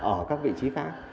ở các vị trí khác